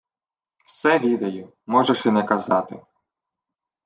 — Все відаю, можеш і не казати.